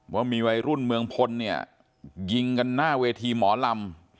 ว่ามีวัยรุ่นเมืองพลเนี่ยยิงกันหน้าเวทีหมอลำ